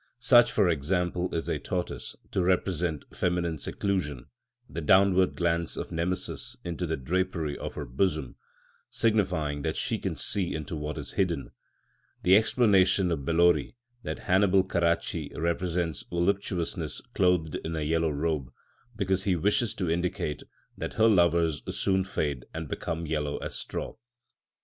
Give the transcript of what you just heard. Such, for example, is a tortoise, to represent feminine seclusion; the downward glance of Nemesis into the drapery of her bosom, signifying that she can see into what is hidden; the explanation of Bellori that Hannibal Carracci represents voluptuousness clothed in a yellow robe, because he wishes to indicate that her lovers soon fade and become yellow as straw.